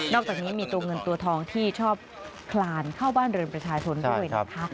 อกจากนี้มีตัวเงินตัวทองที่ชอบคลานเข้าบ้านเรือนประชาชนด้วยนะคะ